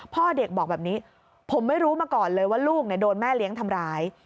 พ่อเด็กบอกแบบนี้ผมไม่รู้มาก่อนเลยว่าลูกโดนแม่เลี้ยงทำร้าย